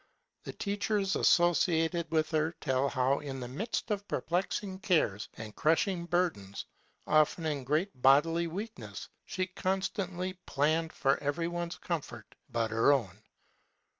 The teachers associated with her tell how in the midst of perplexing cares and crushing burdens, often in great bodily weakness, she constantly planned for everyone's comfort but her own.